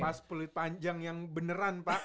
mas pulit panjang yang beneran pak